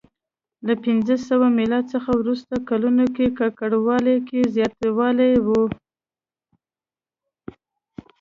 له پنځه سوه میلاد څخه وروسته کلونو کې ککړوالي کې زیاتوالی و